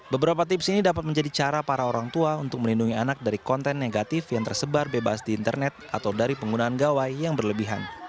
beberapa tips ini dapat menjadi cara para orang tua untuk melindungi anak dari konten negatif yang tersebar bebas di internet atau dari penggunaan gawai yang berlebihan